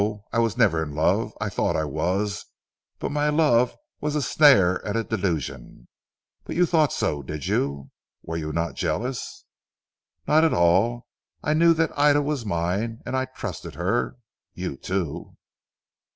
I was never in love. I thought I was, but my love was a snare and a delusion. But you thought so did you? Were you not jealous?" "Not at all. I knew that Ida was mine, and I trusted her you too."